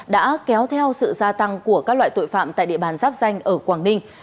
đã kéo theo sự gia tăng của các loại tội phạm tại địa bàn giáp danh ở quảng ninh